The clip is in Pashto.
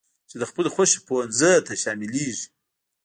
د خپلې خوښي پونځي ته شاملېږي.